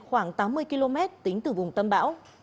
khoảng tám mươi km tính từ vùng tâm bão